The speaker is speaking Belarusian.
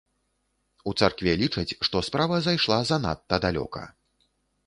У царкве лічаць, што справа зайшла занадта далёка.